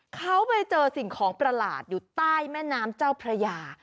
เขาไปเจอสิ่งของประหลาดอยู่ใต้แม่น้ำเจ้าพระยา